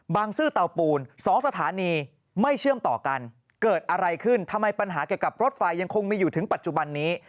ซื้อเตาปูน๒สถานีไม่เชื่อมต่อกันเกิดอะไรขึ้นทำไมปัญหาเกี่ยวกับรถไฟยังคงมีอยู่ถึงปัจจุบันนี้